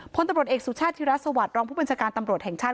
พลตำรวจเอกสุชาติธิรัฐสวัสดิรองผู้บัญชาการตำรวจแห่งชาติ